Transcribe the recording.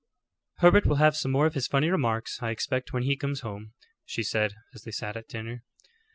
"Herbert will have some more of his funny remarks, I expect, when he comes home," she said, as they sat at dinner.